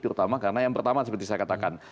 terutama karena yang pertama seperti saya katakan